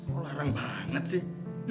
kok larang banget sih